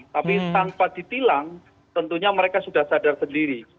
tapi tanpa ditilang tentunya mereka sudah sadar sendiri